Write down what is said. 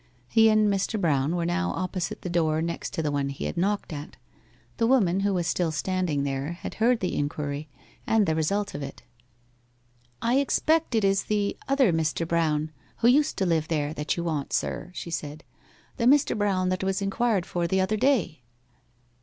He and Mr. Brown were now opposite the door next to the one he had knocked at. The woman who was still standing there had heard the inquiry and the result of it. 'I expect it is the other Mr. Brown, who used to live there, that you want, sir,' she said. 'The Mr. Brown that was inquired for the other day?